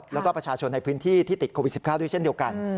แล้วก็ประชาชนในพื้นที่ที่ติดโควิด๑๙ด้วยเช่นเดียวกัน